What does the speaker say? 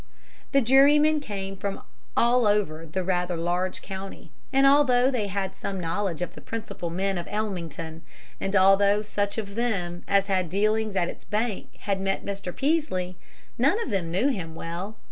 The jurymen came from all over the rather large county, and although they all had some knowledge of the principal men of Ellmington, and although such of them as had dealings at its bank had met Mr. Peaslee, none of them knew him well.